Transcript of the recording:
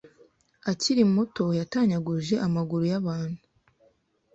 akiri muto yatanyaguje amaguru yabantu